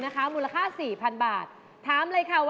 อ้าวแล้ว๓อย่างนี้แบบไหนราคาถูกที่สุด